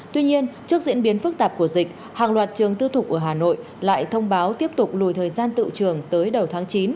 tuy nhiên trước diễn biến phức tạp của dịch hàng loạt trường tư thục ở hà nội lại thông báo tiếp tục lùi thời gian tự trường tới đầu tháng chín